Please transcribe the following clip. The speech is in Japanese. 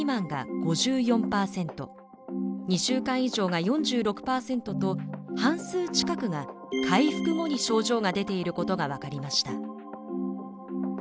などを引き起こす半数近くが回復後に症状が出ていることが分かりました。